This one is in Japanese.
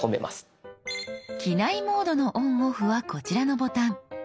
「機内モード」のＯＮＯＦＦはこちらのボタン。